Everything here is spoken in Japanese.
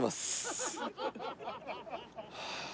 はあ。